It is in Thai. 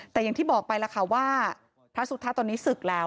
แต่อย่างที่บอกไปแล้วค่ะว่าพระสุทธะตอนนี้ศึกแล้ว